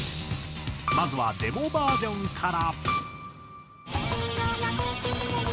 まずはデモバージョンから。